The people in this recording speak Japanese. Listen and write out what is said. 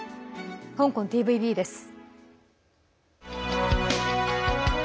香港ＴＶＢです。